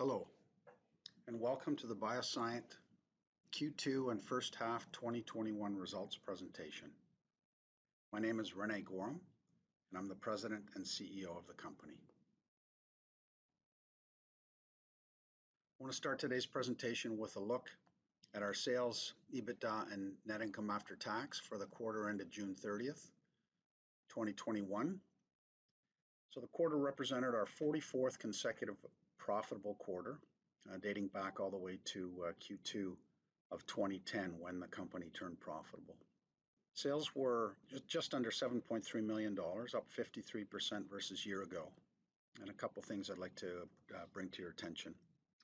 Hello, welcome to the BioSyent Q2 and first half 2021 results presentation. My name is René Goehrum, and I'm the President and CEO of the company. I want to start today's presentation with a look at our sales, EBITDA, and net income after tax for the quarter ended June 30th, 2021. The quarter represented our 44th consecutive profitable quarter, dating back all the way to Q2 of 2010, when the company turned profitable. Sales were just under 7.3 million dollars, up 53% versus year-ago. A couple of things I'd like to bring to your attention.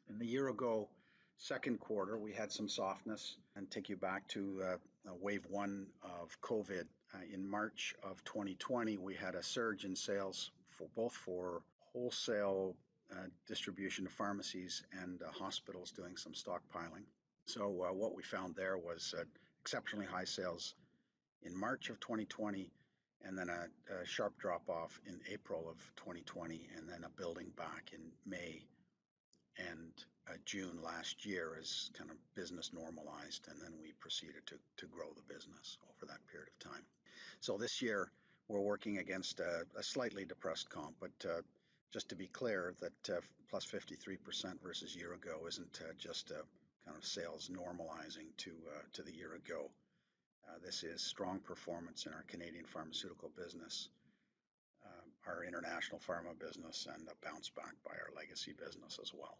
In the year-ago second quarter, we had some softness, and take you back to wave one of COVID. In March of 2020, we had a surge in sales both for wholesale distribution to pharmacies and hospitals doing some stockpiling. What we found there was exceptionally high sales in March of 2020, and then a sharp drop-off in April of 2020, and then a building back in May and June last year as business normalized, and then we proceeded to grow the business over that period of time. This year we're working against a slightly depressed comp, but just to be clear that +53% versus year ago isn't just sales normalizing to the year ago. This is strong performance in our Canadian pharmaceutical business, our international pharma business, and a bounce back by our legacy business as well.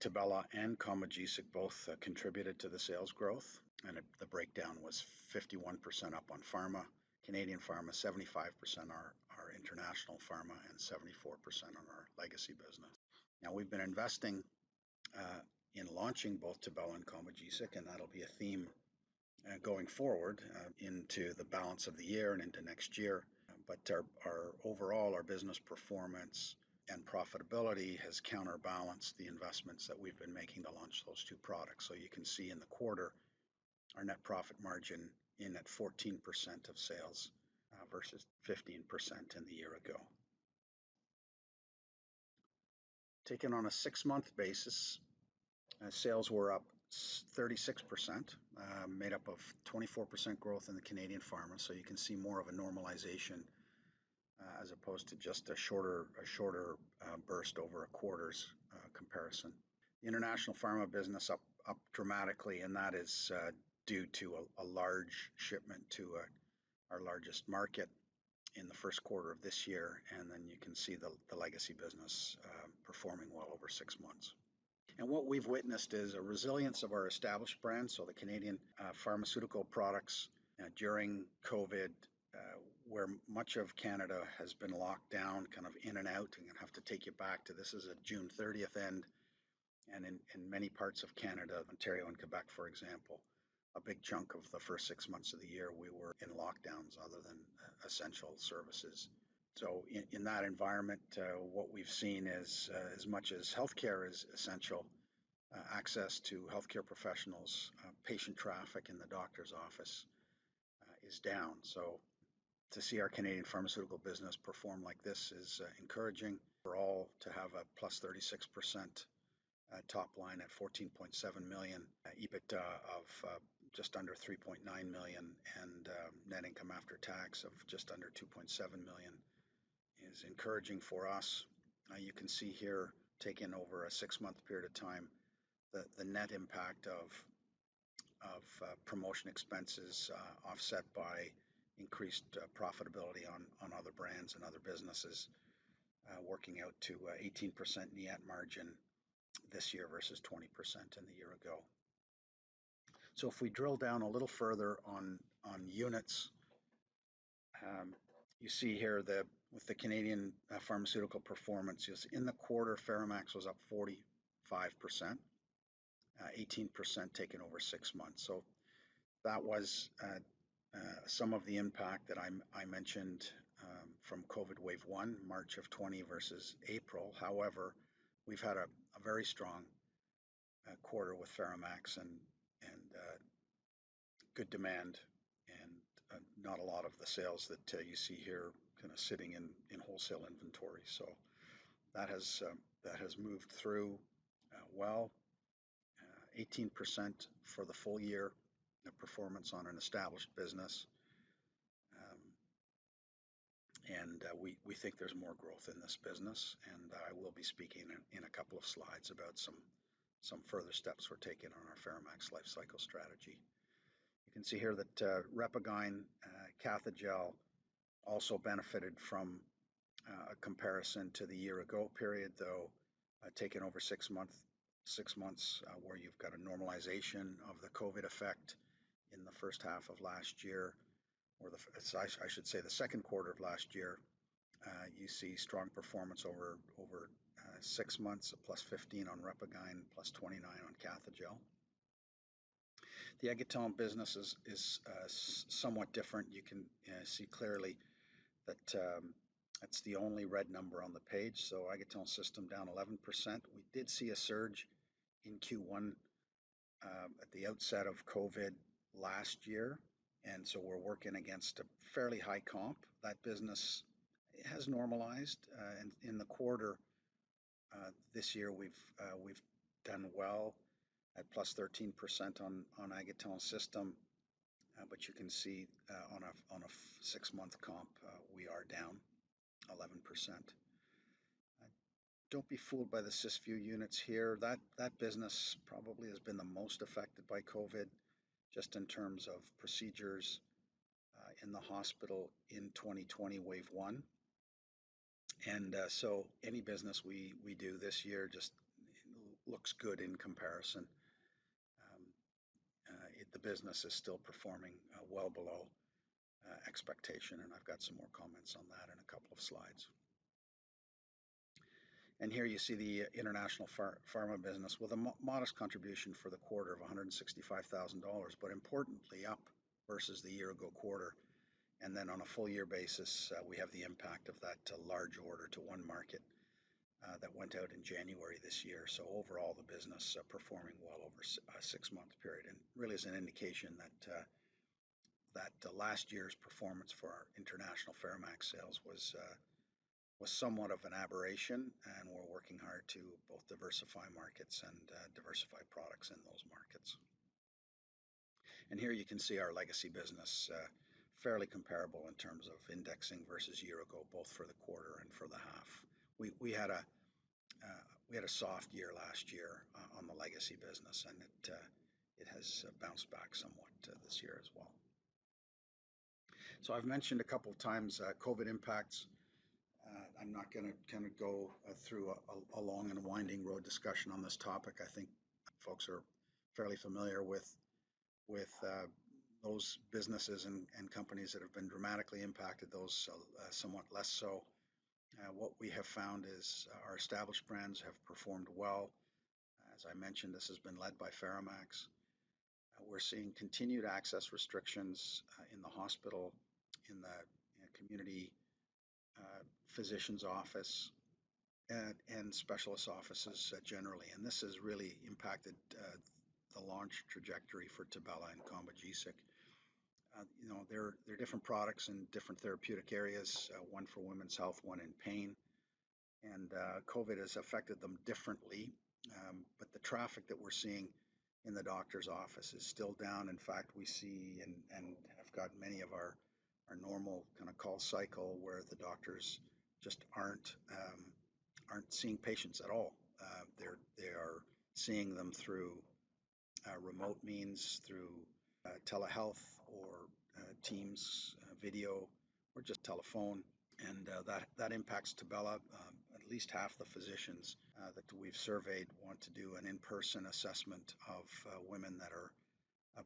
Tibella and Combogesic both contributed to the sales growth, and the breakdown was 51% up on pharma. Canadian pharma, 75% are our international pharma, and 74% on our legacy business. Now we've been investing in launching both Tibella and Combogesic, and that'll be a theme going forward into the balance of the year and into next year. Overall, our business performance and profitability has counterbalanced the investments that we've been making to launch those two products. You can see in the quarter our net profit margin in at 14% of sales versus 15% in the year ago. Taken on a six-month basis, sales were up 36%, made up of 24% growth in the Canadian pharma. You can see more of a normalization as opposed to just a shorter burst over a quarter's comparison. International pharma business up dramatically, and that is due to a large shipment to our largest market in the first quarter of this year, and then you can see the legacy business performing well over six months. What we've witnessed is a resilience of our established brands. The Canadian pharmaceutical products during COVID, where much of Canada has been locked down in and out. I have to take you back to this is a June 30th end, and in many parts of Canada, Ontario and Quebec, for example, a big chunk of the first six months of the year, we were in lockdowns other than essential services. In that environment, what we've seen is, as much as healthcare is essential, access to healthcare professionals, patient traffic in the doctor's office is down. To see our Canadian pharmaceutical business perform like this is encouraging for all to have a +36% top line at 14.7 million, EBITDA of just under 3.9 million, and net income after tax of just under 2.7 million is encouraging for us. You can see here, taken over a six month period of time, the net impact of promotion expenses offset by increased profitability on other brands and other businesses working out to 18% net margin this year versus 20% in the year ago. If we drill down a little further on units, you see here with the Canadian pharmaceutical performance is in the quarter, FeraMAX was up 45%, 18% taken over six months. That was some of the impact that I mentioned from COVID wave one, March of 2020 versus April. However, we've had a very strong quarter with FeraMAX and good demand and not a lot of the sales that you see here sitting in wholesale inventory. That has moved through well. 18% for the full year performance on an established business. We think there's more growth in this business, and I will be speaking in a couple of slides about some further steps we're taking on our FeraMAX lifecycle strategy. You can see here that RepaGyn, Cathejell also benefited from a comparison to the year-ago period, though taken over six months where you've got a normalization of the COVID effect in the first half of last year, or I should say the second quarter of last year. You see strong performance over six months of +15% on RepaGyn, +29% on Cathejell. The Aguettant business is somewhat different. You can see clearly that it's the only red number on the page. Aguettant System down 11%. We did see a surge in Q1 at the outset of COVID last year, we're working against a fairly high comp. That business has normalized. In the quarter this year, we've done well at plus 13% on Aguettant System. You can see on a six month comp, we are down 11%. Don't be fooled by the Cysview units here. That business probably has been the most affected by COVID, just in terms of procedures in the hospital in 2020, wave one. Any business we do this year just looks good in comparison. The business is still performing well below expectation, and I've got some more comments on that in a couple of slides. Here you see the international pharma business with a modest contribution for the quarter of 165,000 dollars, but importantly up versus the year-ago quarter. On a full year basis, we have the impact of that large order to one market that went out in January this year. Overall, the business performing well over a six-month period, and really is an indication that last year's performance for our international FeraMAX sales was somewhat of an aberration, and we're working hard to both diversify markets and diversify products in those markets. Here you can see our legacy business. Fairly comparable in terms of indexing versus a year ago, both for the quarter and for the half. We had a soft year last year on the legacy business, and it has bounced back somewhat this year as well. I've mentioned a couple times COVID impacts. I'm not going to go through a long and winding road discussion on this topic. I think folks are fairly familiar with those businesses and companies that have been dramatically impacted, those somewhat less so. What we have found is our established brands have performed well. As I mentioned, this has been led by FeraMAX. We’re seeing continued access restrictions in the hospital, in the community physician’s office, and specialist offices generally. This has really impacted the launch trajectory for Tibella and Combogesic. They’re different products in different therapeutic areas. One for women’s health, one in pain. COVID has affected them differently. The traffic that we’re seeing in the doctor’s office is still down. In fact, we see and have got many of our normal call cycle where the doctors just aren’t seeing patients at all. They are seeing them through remote means, through telehealth or Teams video or just telephone, and that impacts Tibella. At least half the physicians that we’ve surveyed want to do an in-person assessment of women that are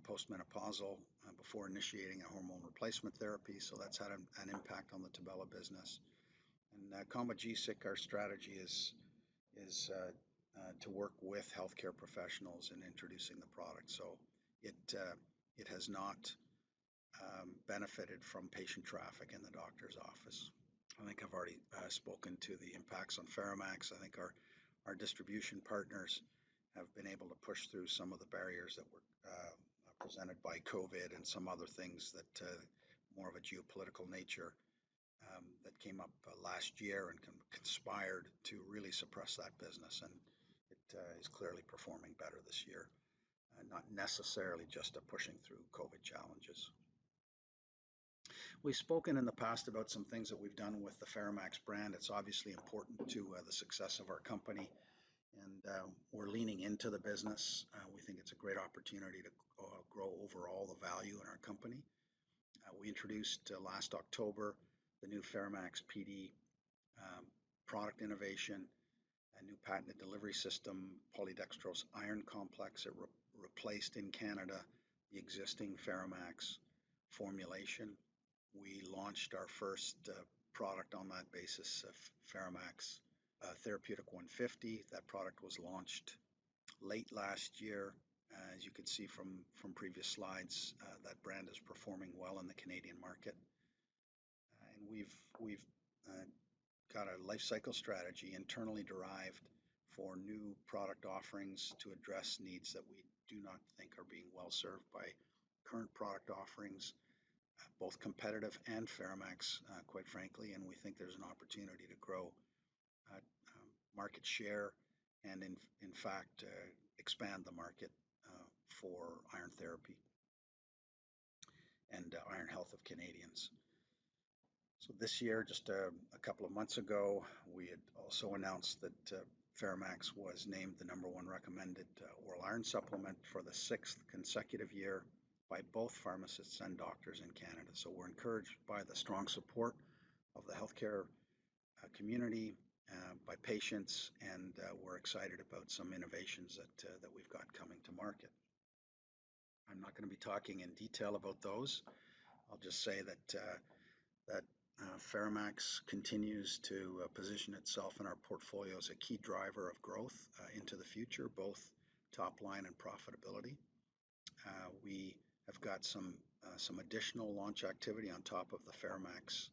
post-menopausal before initiating a hormone replacement therapy. That’s had an impact on the Tibella business. In Combogesic, our strategy is to work with healthcare professionals in introducing the product. It has not benefited from patient traffic in the doctor's office. I think I've already spoken to the impacts on FeraMAX. I think our distribution partners have been able to push through some of the barriers that were presented by COVID and some other things that more of a geopolitical nature that came up last year and conspired to really suppress that business, and it is clearly performing better this year. Not necessarily just a pushing through COVID challenges. We've spoken in the past about some things that we've done with the FeraMAX brand. It's obviously important to the success of our company, and we're leaning into the business. We think it's a great opportunity to grow overall the value in our company. We introduced last October the new FeraMAX Pd product innovation, a new patented delivery system, polydextrose-iron complex. It replaced in Canada the existing FeraMAX formulation. We launched our first product on that basis of FeraMAX Pd Therapeutic 150. That product was launched late last year. As you can see from previous slides, that brand is performing well in the Canadian market. We've got a life cycle strategy internally derived for new product offerings to address needs that we do not think are being well served by current product offerings, both competitive and FeraMAX, quite frankly. We think there's an opportunity to grow market share and in fact, expand the market for iron therapy and iron health of Canadians. This year, just a couple of months ago, we had also announced that FeraMAX was named the number one recommended oral iron supplement for the 6th consecutive year by both pharmacists and doctors in Canada. We're encouraged by the strong support of the healthcare community, by patients, and we're excited about some innovations that we've got coming to market. I'm not going to be talking in detail about those. I'll just say that FeraMAX continues to position itself in our portfolio as a key driver of growth into the future, both top line and profitability. We have got some additional launch activity on top of the FeraMAX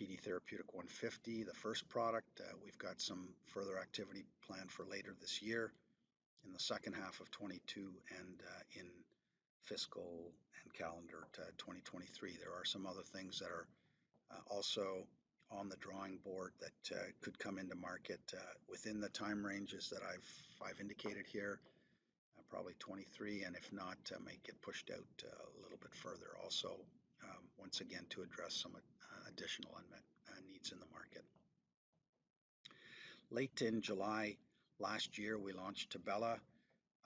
Pd Therapeutic 150, the first product. We've got some further activity planned for later this year in the second half of 2022 and in fiscal and calendar 2023. There are some other things that are also on the drawing board that could come into market within the time ranges that I've indicated here. Probably 2023, and if not, may get pushed out a little bit further, also once again, to address some additional unmet needs in the market. Late in July last year, we launched Tibella,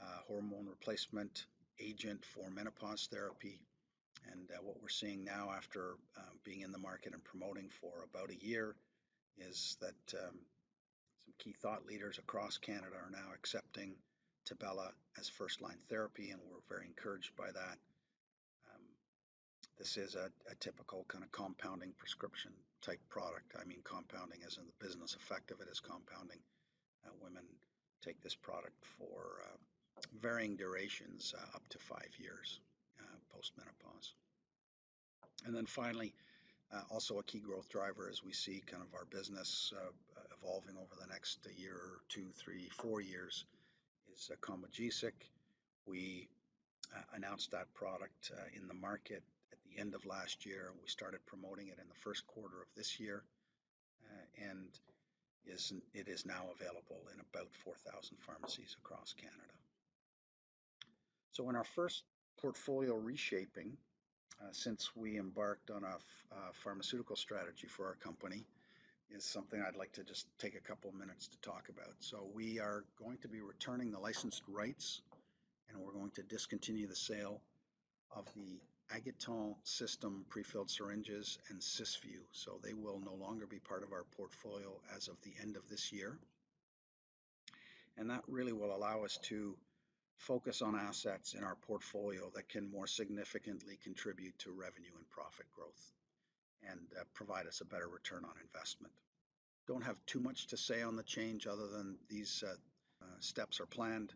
a hormone replacement agent for menopause therapy. What we're seeing now after being in the market and promoting for about a year is that some key thought leaders across Canada are now accepting Tibella as first-line therapy, and we're very encouraged by that. This is a typical kind of compounding prescription type product. Compounding as in the business effect of it as compounding. Women take this product for varying durations, up to five years post-menopause. Finally, also a key growth driver as we see our business evolving over the next year or two, three, four years is Combogesic. We announced that product in the market at the end of last year. We started promoting it in the first quarter of this year. It is now available in about 4,000 pharmacies across Canada. In our first portfolio reshaping since we embarked on a pharmaceutical strategy for our company is something I'd like to just take a couple of minutes to talk about. We are going to be returning the licensed rights, and we're going to discontinue the sale of the Aguettant System prefilled syringes and Cysview. They will no longer be part of our portfolio as of the end of this year. That really will allow us to focus on assets in our portfolio that can more significantly contribute to revenue and profit growth and provide us a better return on investment. Don't have too much to say on the change other than these steps are planned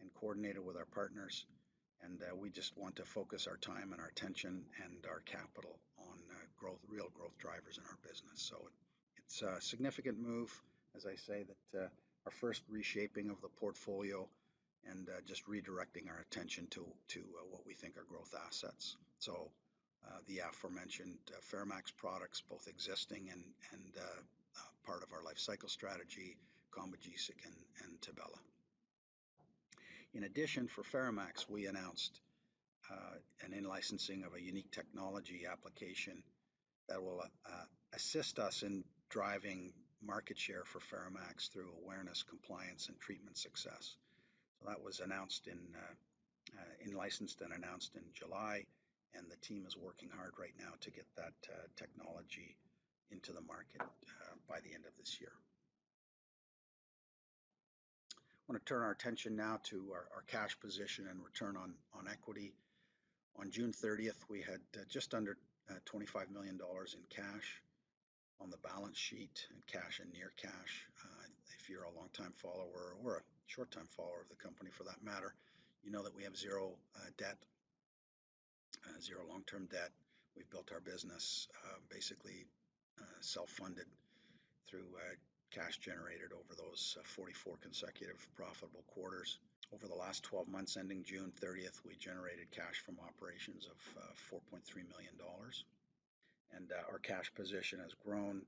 and coordinated with our partners, and we just want to focus our time and our attention and our capital on real growth drivers in our business. It's a significant move, as I say, our first reshaping of the portfolio and just redirecting our attention to what we think are growth assets. The aforementioned FeraMAX products, both existing and part of our life cycle strategy, Combogesic and Tibella. In addition, for FeraMAX, we announced an in-licensing of a unique technology application that will assist us in driving market share for FeraMAX through awareness, compliance, and treatment success. That was in-licensed and announced in July, and the team is working hard right now to get that technology into the market by the end of this year. I want to turn our attention now to our cash position and return on equity. On June 30th, we had just under 25 million dollars in cash on the balance sheet, in cash and near cash. If you're a longtime follower or a short-time follower of the company for that matter, you know that we have zero long-term debt. We've built our business basically self-funded through cash generated over those 44 consecutive profitable quarters. Over the last 12 months ending June 30th, we generated cash from operations of 4.3 million dollars. Our cash position has grown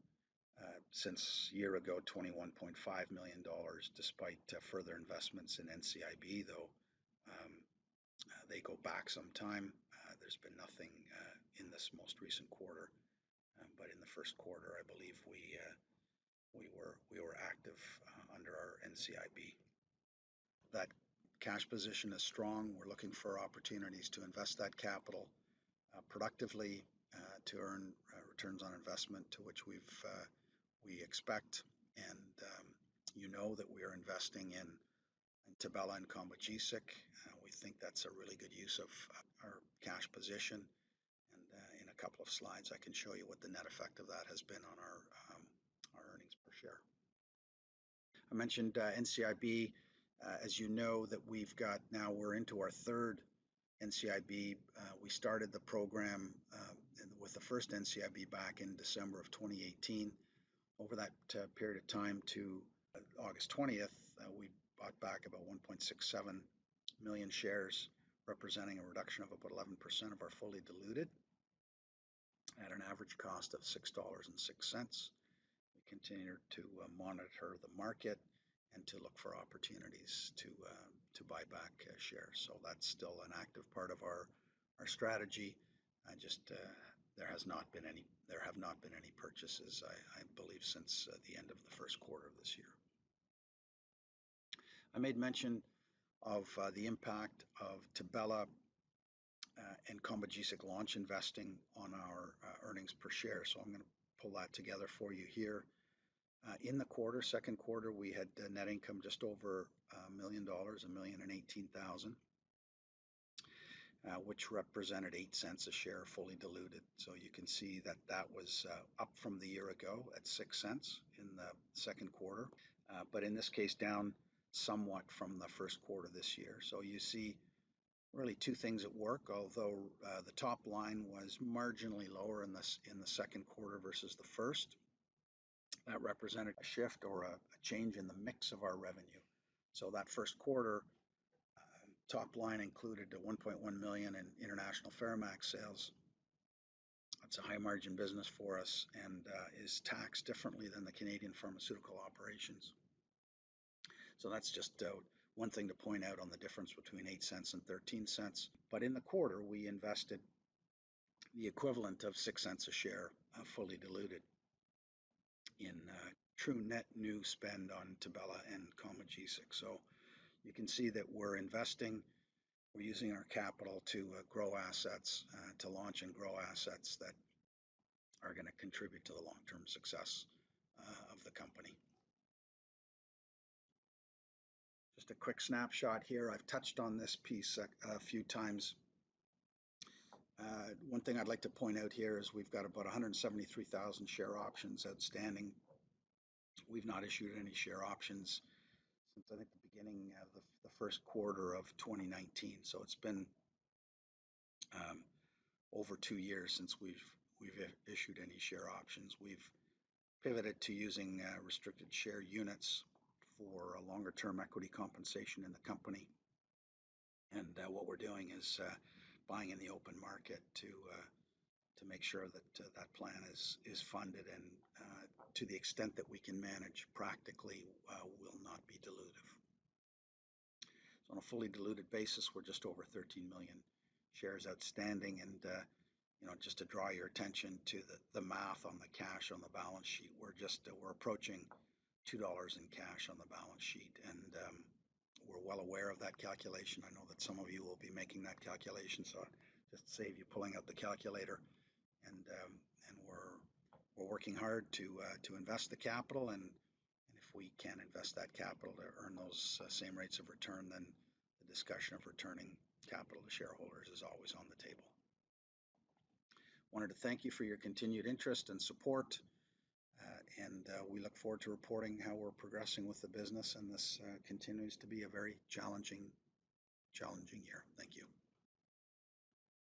since a year ago, 21.5 million dollars, despite further investments in NCIB, though they go back some time. There's been nothing in this most recent quarter. In the first quarter, I believe we were active under our NCIB. That cash position is strong. We are looking for opportunities to invest that capital productively to earn returns on investment to which we expect. You know that we are investing in Tibella and Combogesic. We think that is a really good use of our cash position. In a couple of slides, I can show you what the net effect of that has been on our earnings per share. I mentioned NCIB. As you know, now we are into our third NCIB. We started the program with the first NCIB back in December of 2018. Over that period of time to August 20th, we bought back about 1.67 million shares, representing a reduction of about 11% of our fully diluted at an average cost of 6.06 dollars. We continue to monitor the market and to look for opportunities to buy back shares. That's still an active part of our strategy. There have not been any purchases, I believe, since the end of the first quarter of this year. I made mention of the impact of Tibella and Combogesic launch investing on our earnings per share. I'm going to pull that together for you here. In the second quarter, we had net income just over 1 million dollars, 1,018,000, which represented 0.08 a share fully diluted. You can see that was up from the year ago at 0.06 in the second quarter. In this case, down somewhat from the first quarter this year. Really two things at work, although the top line was marginally lower in the second quarter versus the first. That represented a shift or a change in the mix of our revenue. That first quarter top line included 1.1 million in international FeraMAX sales. That's a high margin business for us and is taxed differently than the Canadian pharmaceutical operations. That's just one thing to point out on the difference between 0.08 and 0.13. In the quarter, we invested the equivalent of 0.06 a share of fully diluted in true net new spend on Tibella and Combogesic. You can see that we're investing, we're using our capital to launch and grow assets that are going to contribute to the long-term success of the company. A quick snapshot here. I've touched on this piece a few times. One thing I'd like to point out here is we've got about 173,000 share options outstanding. We've not issued any share options since I think the beginning of the first quarter of 2019. It's been over two years since we've issued any share options. We've pivoted to using restricted stock units for a longer-term equity compensation in the company. What we're doing is buying in the open market to make sure that that plan is funded and, to the extent that we can manage practically, will not be dilutive. On a fully diluted basis, we're just over 13 million shares outstanding and just to draw your attention to the math on the cash on the balance sheet, we're approaching 2 dollars in cash on the balance sheet. We're well aware of that calculation. I know that some of you will be making that calculation, so just to save you pulling out the calculator. We're working hard to invest the capital, if we can invest that capital to earn those same rates of return, the discussion of returning capital to shareholders is always on the table. We wanted to thank you for your continued interest and support, we look forward to reporting how we're progressing with the business, this continues to be a very challenging year. Thank you.